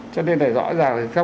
cho nên là rõ ràng